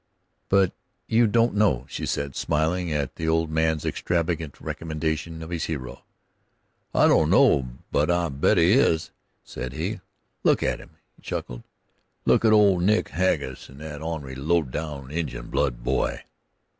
"But you don't know," she said, smiling at the old man's extravagant recommendation of his hero. "I don' know, but I bet he is," said he. "Look at 'em!" he chuckled; "look at old Nick Ha'gus and his onery, low down Injun blood boy!"